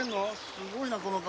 すごいなこの川。